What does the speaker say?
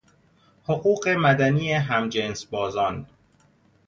حقوق مدنی همجنسبازان